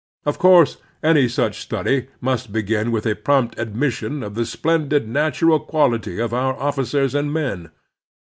Of course any such study must begin with a prompt admission of the splendid natxiral quality of our officers and men.